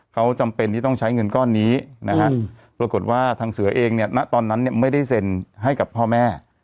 เขาจำเป็นที่ต้องใช้เงินก้อนนี้นะฮะปรากฏว่าทางเสือเองเนี่ยณตอนนั้นเนี่ยไม่ได้เซ็นให้กับพ่อแม่